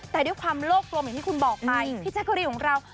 แต่ด้วยความโลกกลมอย่างที่คุณบอกไปพี่แจ๊กกะรีนของเรา